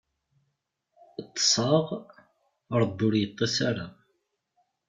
Ṭṭseɣ, Ṛebbi ur iṭṭis ara.